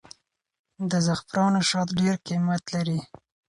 د زعفرانو شات هم ډېر قیمت لري.